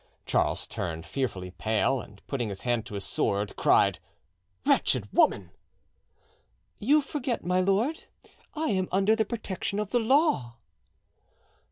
Charles turned fearfully pale, and putting his hand to his sword, cried— "Wretched woman!" "You forget, my lord, I am under the protection of the law."